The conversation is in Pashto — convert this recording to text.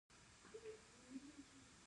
نوم معمولا د نیکه یا مشر په نوم ایښودل کیږي.